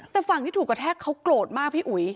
แต่ฝั่งที่ถูกกระแทกเขาโกรธมากพี่อุ๋ย